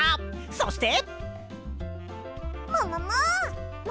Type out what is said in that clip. そして！